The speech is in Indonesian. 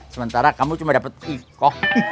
sementara kamu cuma dapat iko